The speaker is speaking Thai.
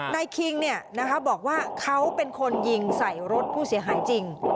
คิงบอกว่าเขาเป็นคนยิงใส่รถผู้เสียหายจริง